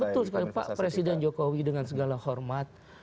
betul sekali pak presiden jokowi dengan segala hormat